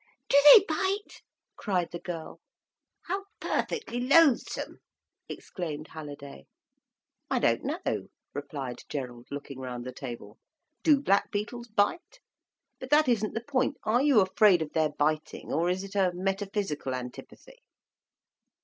"Do they bite?" cried the girl. "How perfectly loathsome!" exclaimed Halliday. "I don't know," replied Gerald, looking round the table. "Do black beetles bite? But that isn't the point. Are you afraid of their biting, or is it a metaphysical antipathy?"